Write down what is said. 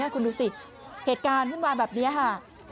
คุณดูสิเหตุการณ์วุ่นวายแบบนี้ค่ะ